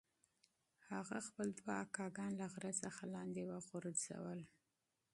هغه خپل دوه اکاګان له غره څخه لاندې وغورځول.